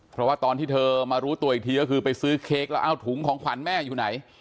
เพราะว่าตอนที่เธอมารู้ตัวอีกทีก็คือไปซื้อเค้กแล้วเอาถุงของขวัญแม่อยู่ไหน